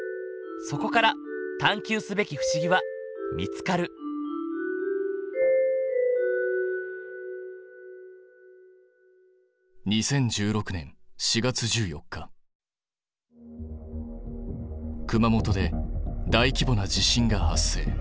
そこから探究すべき不思議は見つかる熊本で大規模な地震が発生。